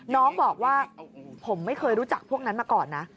น้องบอกว่าผมไม่เคยรู้จักพวกนั้นมาก่อนนะ